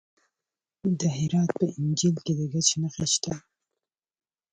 د هرات په انجیل کې د ګچ نښې شته.